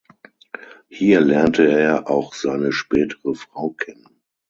Hier lernte er auch seine spätere Frau kennen.